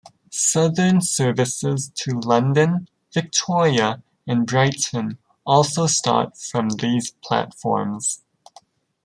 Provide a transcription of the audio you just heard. Southern services to London Victoria and Brighton also start from these platforms.